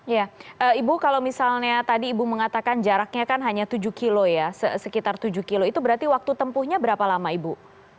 ya ibu kalau misalnya tadi ibu mengatakan jaraknya kan hanya tujuh kilo ya sekitar tujuh kilo itu berarti waktu tempuhnya berapa lama ibu